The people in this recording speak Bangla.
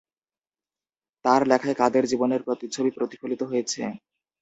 তার লেখায় কাদের জীবনের প্রতিচ্ছবি প্রতিফলিত হয়েছে?